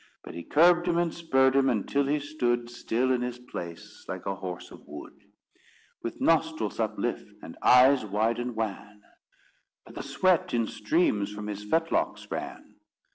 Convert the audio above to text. But he curbed him and spurred him, until he stood Still in his place, like a horse of wood, With nostrils uplift, and eyes wide and wan; But the sweat in streams from his fetlocks ran.